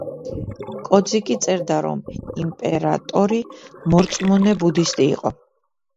კოძიკი წერდა, რომ იმპერატორი მორწმუნე ბუდისტი იყო.